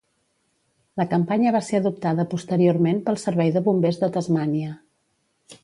La campanya va ser adoptada posteriorment pel servei de bombers de Tasmània.